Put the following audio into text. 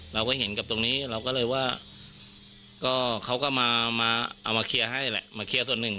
เราก็เห็นกับตรงนี้เราก็เลยว่าก็เขาก็มาเอามาเคลียร์ให้แหละมาเคลียร์ส่วนหนึ่ง